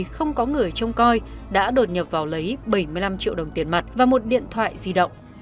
không có người trông coi đã đột nhập vào lấy bảy mươi năm triệu đồng tiền mặt và một điện thoại di động